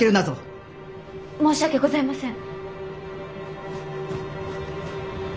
申し訳ございません！